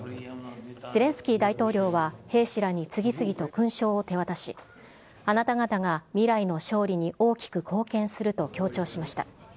ゼレンスキー大統領は兵士らに次々と勲章を手渡し、あなた方が未来の勝利に大きく貢献すると強調しました。